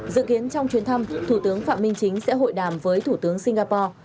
dự kiến trong chuyến thăm thủ tướng phạm minh chính sẽ hội đàm với thủ tướng singapore